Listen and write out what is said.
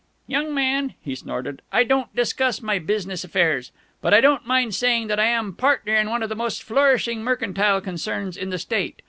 "Young man," he snorted, "I don't discuss my business affairs. But I don't mind saying that I am partner in one of the most flourishing mercantile concerns in the State.